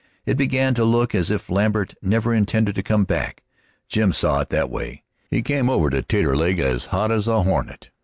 It began to look as if Lambert never intended to come back. Jim saw it that way. He came over to Taterleg as hot as a hornet.